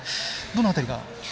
どの辺りが？